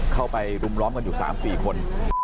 เข้าไปรุมล้อมกันอยู่๓๔คน